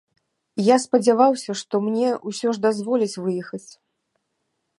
Я спадзяваўся, што мне ўсе ж дазволяць выехаць.